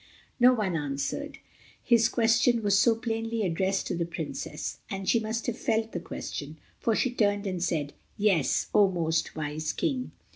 No one answered. His question was so plainly addressed to the Princess. And she must have felt the question, for she turned and said, "Yes, O most wise King."